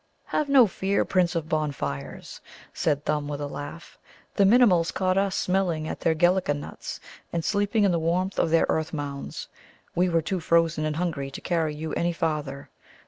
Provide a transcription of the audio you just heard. "Have no fear, Prince of Bonfires," said Thumb with a laugh. "The Minimuls caught us smelling at their Gelica nuts, and sleeping in the warmth of their earth mounds. We were too frozen and hungry to carry you any farther.